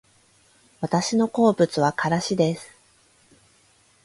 私の好物はからしです